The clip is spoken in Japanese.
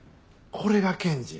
これが検事や。